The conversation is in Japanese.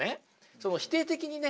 その否定的にね